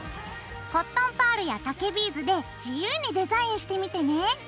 コットンパールや竹ビーズで自由にデザインしてみてね！